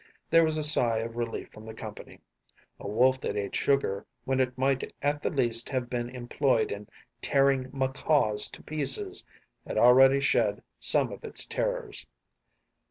There was a sigh of relief from the company; a wolf that ate sugar when it might at the least have been employed in tearing macaws to pieces had already shed some of its terrors.